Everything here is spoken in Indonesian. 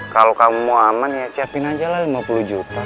kalau kamu mau aman ya siapin aja lah lima puluh juta